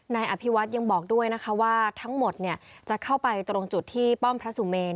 นายอภิวัฒน์ยังบอกด้วยนะคะว่าทั้งหมดจะเข้าไปตรงจุดที่ป้อมพระสุเมน